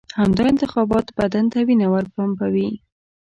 همدا انتخابات بدن ته وینه ورپمپوي.